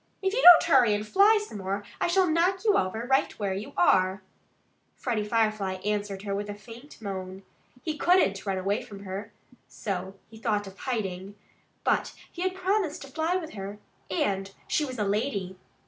"If you don't hurry and fly some more I shall knock you over right where you are!" Freddie Firefly answered her with a faint moan. He couldn't run away from her. So he thought of hiding. But he had promised to fly with her. And she was a lady.